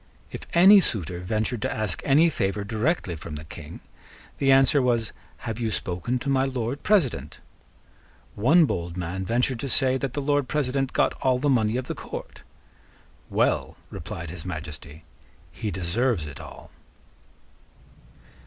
If any suitor ventured to ask any favour directly from the King, the answer was, "Have you spoken to my Lord President?" One bold man ventured to say that the Lord President got all the money of the court. "Well," replied His Majesty "he deserves it all."